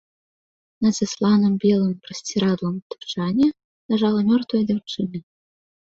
На засланым белым прасцірадлам тапчане ляжала мёртвая дзяўчына.